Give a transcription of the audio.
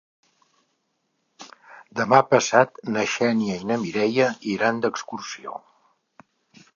Demà passat na Xènia i na Mireia iran d'excursió.